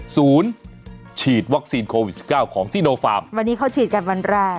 ศูนย์ฉีดวัคซีนโควิดสิบเก้าของซีโนฟาร์มวันนี้เขาฉีดกันวันแรก